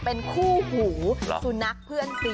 เป็นคู่หูสุนัขเพื่อนซี